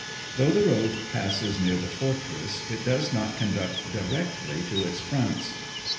Though the road passes near the fortress it does not conduct directly to its fronts.